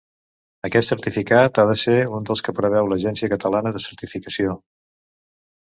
Aquest certificat ha de ser un dels que preveu l'Agència Catalana de Certificació.